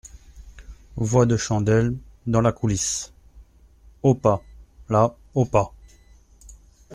Voix de Chandel, dans la coulisse. — Au pas, là, au pas !